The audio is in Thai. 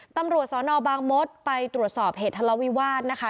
ตำรวจสอนอบางมดไปตรวจสอบเหตุทะเลาวิวาสนะคะ